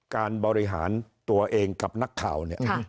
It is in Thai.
การบริหารตัวเองกับนักข่าวเนี่ย